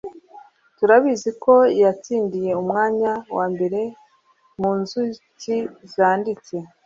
turabizi ko yatsindiye umwanya wa mbere mu nzuki zanditse